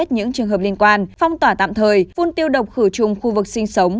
những trường hợp liên quan phong tỏa tạm thời phun tiêu độc khử trùng khu vực sinh sống